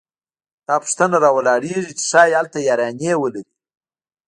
دا پوښتنه راولاړېږي چې ښايي هلته یارانې ولري